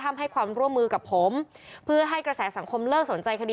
อันนี้คือล่างสุดที่โพสต์วันนี้เลยนะครับ